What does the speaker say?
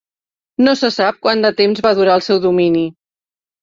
No se sap quant de temps va durar el seu domini.